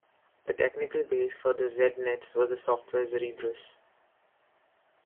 The technical base for the Z-Netz was the software "Zerberus".